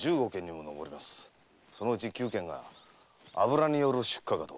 そのうち九件が油による出火かと。